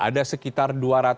ada sekitar dua ratus